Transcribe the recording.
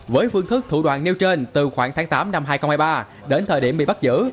với phương thức thủ đoạn nêu trên từ khoảng tháng tám năm hai nghìn hai mươi ba đến thời điểm bị bắt giữ